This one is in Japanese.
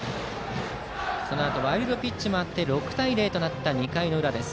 そのあとワイルドピッチもあって６対０となった２回の裏です。